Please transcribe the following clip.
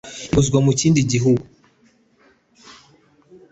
ibuzwa mu kindi gihugu.